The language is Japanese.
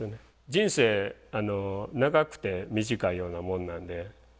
人生長くて短いようなもんなんで。